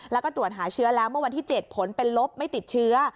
แล้วก็ตรวจหาเชื้อแล้วเมื่อวันที่๗ผลเป็นลบไม่ติดเชื้อ